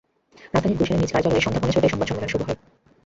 রাজধানীর গুলশানে নিজ কার্যালয়ে সন্ধ্যা পৌনে ছয়টায় সংবাদ সম্মেলন শুরু হয়।